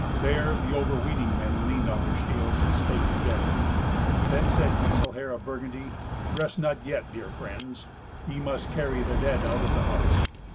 There the overweening men leaned on their shields and spake together. Then said Giselher of Burgundy, "Rest not yet, dear friends. Ye must carry the dead out of the house.